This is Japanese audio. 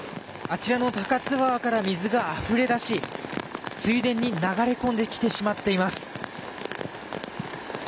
あちらの高津川から水があふれ出し水田に流れ込んできてしまっています。